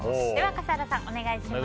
笠原さん、お願いします。